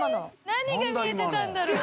何が見えてたんだろう？